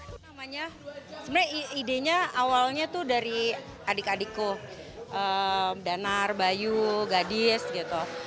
sebenarnya idenya awalnya tuh dari adik adikku danar bayu gadis gitu